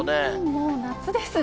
もう夏ですね。